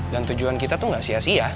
dan tujuan kita tuh gak sia sia